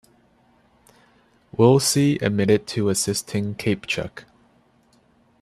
Willsey admitted to assisting Kapechuk.